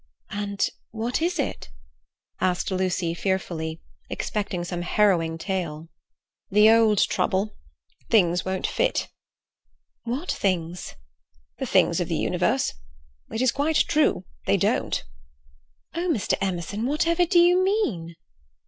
"And what is it?" asked Lucy fearfully, expecting some harrowing tale. "The old trouble; things won't fit." "What things?" "The things of the universe. It is quite true. They don't." "Oh, Mr. Emerson, whatever do you mean?"